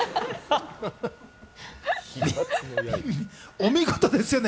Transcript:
お見事ですよね。